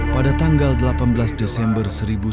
pada tanggal delapan belas desember seribu sembilan ratus empat puluh